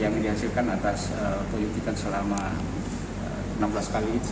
yang dihasilkan atas penyelidikan selama enam belas kali